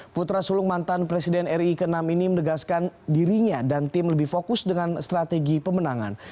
putra sulung mantan presiden ri ke enam ini menegaskan dirinya dan tim lebih fokus dengan strategi pemenangan